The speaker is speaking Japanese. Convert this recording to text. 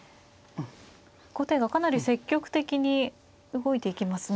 後手がかなり積極的に動いていきますね。